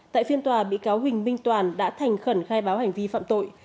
tại phiên tòa bị cáo huỳnh minh toàn đã thành khẩn khai báo hành vi phạm tội